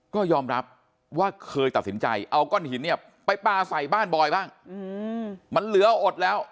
ก็ยอมรับว่าเคยตัดสินใจเอาก้อนหินเนี่ยไปปลาใส่บ้านบอยบ้างมันเหลืออดแล้ว